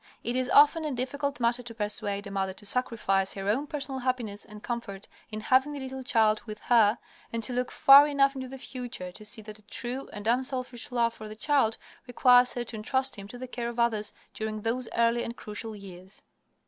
It is often a difficult matter to persuade a mother to sacrifice her own personal happiness and comfort in having the little child with her, and to look far enough into the future to see that a true and unselfish love for the child requires her to entrust him to the care of others during those early and crucial years."